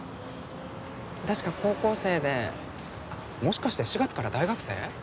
確か高校生であっもしかして４月から大学生？